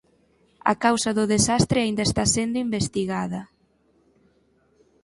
A causa do desastre aínda está sendo investigada.